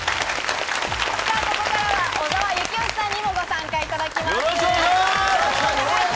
ここからは小澤征悦さんにもご参加いただきます。